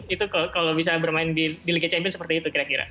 itu kalau bisa bermain di liga champion seperti itu kira kira